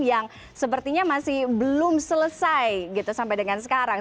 yang sepertinya masih belum selesai gitu sampai dengan sekarang